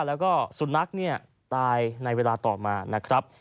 แล้วก็สุนัขเนี่ยตายในเวลาต่อมานะครับ